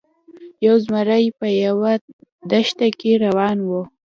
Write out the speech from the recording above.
یو زمری په یوه دښته کې روان و.